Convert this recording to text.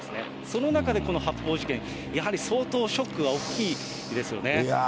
その中でこの発砲事件、やはり相当ショックが大きいですよね。